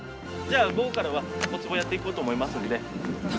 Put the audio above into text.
じゃあ、午後からはタコツボをやっていこうと思いますんで。